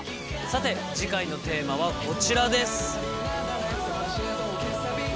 さて次回のテーマはこちらです。